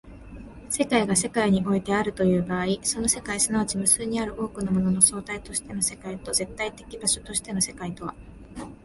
世界が世界においてあるという場合、その世界即ち無数に多くのものの総体としての世界と絶対的場所としての世界とは